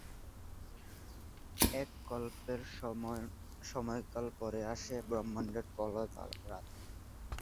এক কল্পের সমান সময়কাল পরে আসে ব্রহ্মাণ্ডের প্রলয় বা রাত।